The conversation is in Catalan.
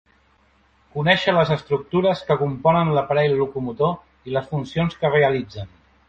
Conéixer les estructures que componen l'aparell locomotor i les funcions que realitzen.